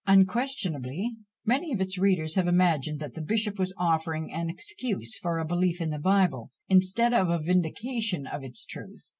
Unquestionably, many of its readers have imagined that the bishop was offering an excuse for a belief in the Bible, instead of a vindication of its truth.